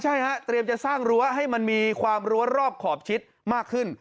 ใช่ฮะเตรียมจะสร้างรั้วให้มันมีความรั้วรอบขอบชิดมากขึ้น